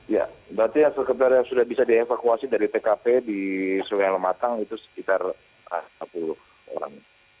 ya berarti hasil kebenaran sudah bisa dievakuasi dari tkp di seluruh yang mematang itu sekitar enam puluh orang